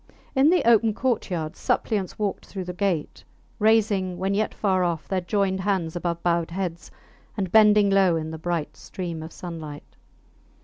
In the open courtyard suppliants walked through the gate, raising, when yet far off, their joined hands above bowed heads, and bending low in the bright stream of sunlight.